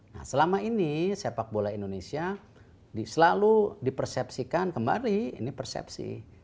nah selama ini sepak bola indonesia selalu dipersepsikan kembali ini persepsi